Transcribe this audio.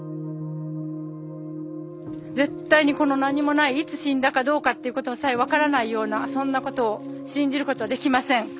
絶対にこの何もないいつ死んだかどうかっていうことさえ分からないようなそんなことを信じることはできません。